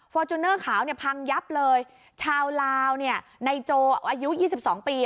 จูเนอร์ขาวเนี่ยพังยับเลยชาวลาวเนี่ยในโจอายุยี่สิบสองปี